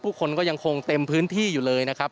คนก็ยังคงเต็มพื้นที่อยู่เลยนะครับ